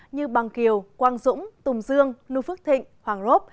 như bằng kiều quang dũng tùng dương nui phước thịnh hoàng rốt